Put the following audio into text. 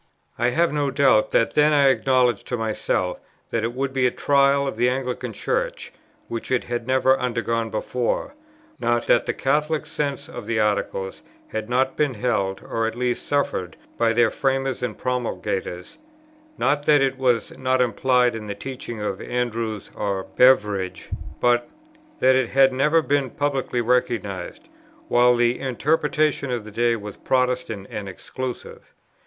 I have no doubt that then I acknowledged to myself that it would be a trial of the Anglican Church, which it had never undergone before, not that the Catholic sense of the Articles had not been held or at least suffered by their framers and promulgators, not that it was not implied in the teaching of Andrewes or Beveridge, but that it had never been publicly recognized, while the interpretation of the day was Protestant and exclusive.